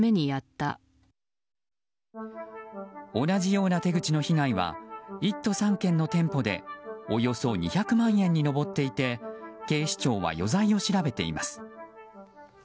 同じような手口の被害は１都３県の店舗でおよそ２００万円に上っていて警視庁は余罪を調べています。